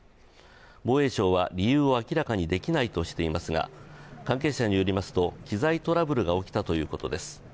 防衛省は理由を明らかにできないとしていますが関係者によりますと、機材トラブルが起きたということです。